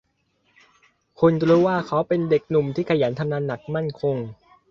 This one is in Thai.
คุณรู้ว่าเขาเป็นเด็กหนุ่มที่ขยันทำงานหนัก มั่นคง